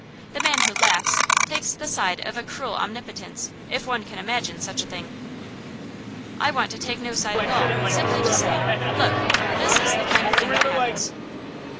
The man who laughs takes the side of a cruel omnipotence, if one can imagine such a thing. I want to take no side at all; simply to say, Look, this is the kind of thing that happens.